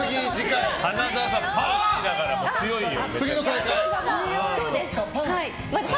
花澤さん、パン好きだから強いよ。